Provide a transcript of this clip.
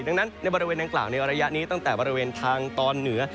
ดังนั้นในบริเวณดังกล่าวในระยะนี้ตั้งแต่บริเวณทางตอนเหนือ